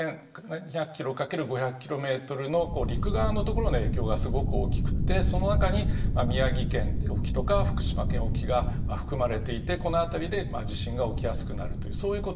２００ｋｍ掛ける５００ｋｍの陸側の所の影響がすごく大きくってその中に宮城県沖とか福島県沖が含まれていてこの辺りで地震が起きやすくなるというそういうことが起きてるんですね。